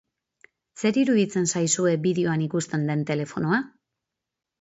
Zer iruditzen zaizue bideoan ikusten den telefonoa?